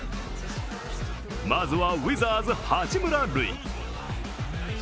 まずはウィザーズ・八村塁。